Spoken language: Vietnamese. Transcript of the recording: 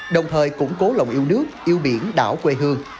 đồng thời củng cố lòng yêu nước yêu biển đảo quê hương